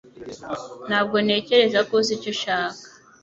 Ntabwo ntekereza ko uzi icyo ushaka